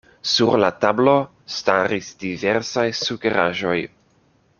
Sur la tablo staris diversaj sukeraĵoj.